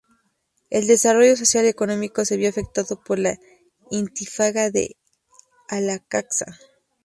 El desarrollo social y económico se vio afectado por la Intifada de Al-Aqsa.